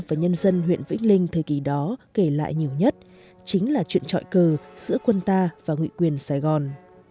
và nhân dân huyện vĩnh linh thời kỳ đó kể lại nhiều nhất chính là chuyện trọi cờ giữa quân ta và nguyện quyền sài gòn